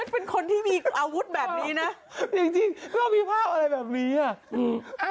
อีกเป็นคนที่มีอาวุธแบบนี้นะยังจริงมีผ้าอะไรแบบนี้อ่ะ